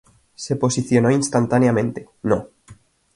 Se posicionó instantáneamente No.